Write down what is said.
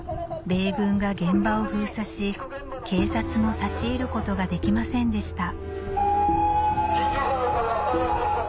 米軍が現場を封鎖し警察も立ち入ることができませんでしたＨｅｙ！